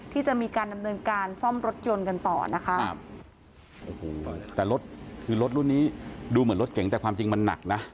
ที่จะมีการดำเนินการซ่อมรถยนต์กันต่อนะคะครับโอ้โหแต่รถคือรถรุ่นนี้ดูเหมือนรถเก่งแต่ความจริงมันหนักนะ